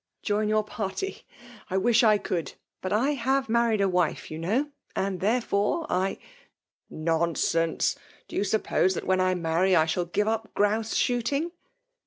Join your party ?— I wish I could !— ^Bat I have married a wife, you know ; and there fore I ''" Nonsense !— ^Do you suppose that when I marry, I shall give up gprouse shootiBg